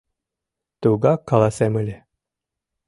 — Тугак каласем ыле...